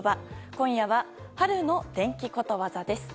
今夜は、春の天気ことわざです。